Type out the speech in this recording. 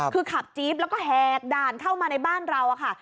คือขับจี๊บแล้วก็แหกด่านเข้ามาในบ้านเราค่ะ